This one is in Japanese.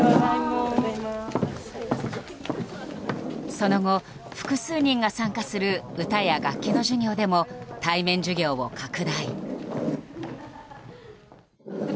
その後、複数人が参加する歌や楽器の授業でも対面授業を拡大。